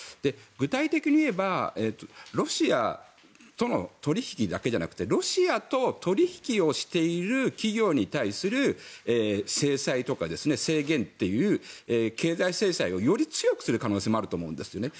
具体的に言えばロシアとの取引だけじゃなくてロシアと取引をしている企業に対する制裁とか制限という経済制裁をより強くする可能性もあると思うんですね。